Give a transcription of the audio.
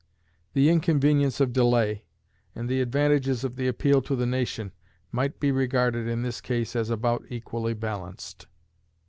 The inconvenience of delay, and the advantages of the appeal to the nation, might be regarded in this case as about equally balanced.